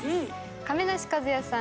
亀梨和也さん